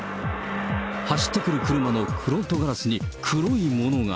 走ってくる車のフロントガラスに黒いものが。